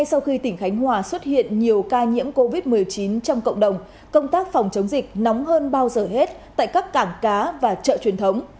sau khi tỉnh khánh hòa xuất hiện nhiều ca nhiễm covid một mươi chín trong cộng đồng công tác phòng chống dịch nóng hơn bao giờ hết tại các cảng cá và chợ truyền thống